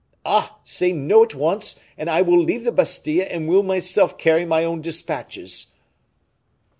"Ah! say 'no' at once, and I will leave the Bastile and will myself carry my own dispatches."